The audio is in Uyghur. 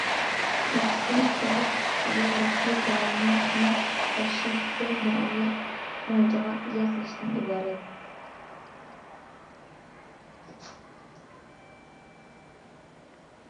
مەقسىتىمىز قورغاس ئىقتىسادىي تەرەققىيات رايونىنى تېخىمۇ ياخشى پۇل مۇئامىلە مۇھىتىغا ئىگە قىلىشتىن ئىبارەت.